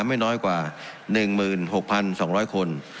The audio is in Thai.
ไม่น้อยกว่า๑๖๒๐๐คน